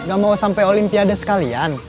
nggak mau sampe olimpiade sekalian